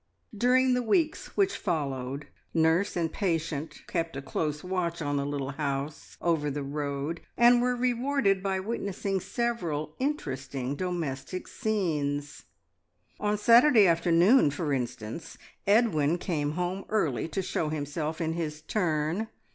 During the weeks which followed, nurse and patient kept a close watch on the little house over the road, and were rewarded by witnessing several interesting domestic scenes. On Saturday afternoon, for instance, Edwin came home early to show himself in his turn.